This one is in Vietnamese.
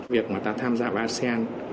việc mà ta tham gia với asean